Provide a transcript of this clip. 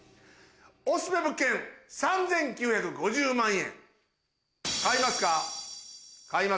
オススメ物件３９５０万円。